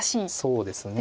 そうですね。